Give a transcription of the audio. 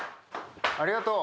ありがとう！